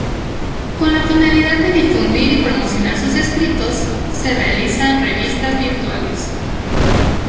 Con la finalidad de difundir y promocionar sus escritos, se realizan revistas virtuales.